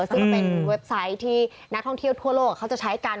ซึ่งก็เป็นเว็บไซต์ที่นักท่องเที่ยวทั่วโลกเขาจะใช้กัน